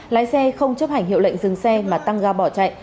lái xe không chấp hành hiệu lệnh dừng xe mà tăng ga bỏ chạy